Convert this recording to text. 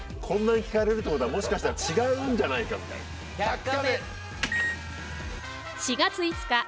こんなに聞かれるってことはもしかしたら違うんじゃないかみたいな。